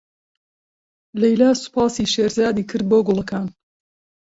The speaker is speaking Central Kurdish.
لەیلا سوپاسی شێرزاد کرد بۆ گوڵەکان.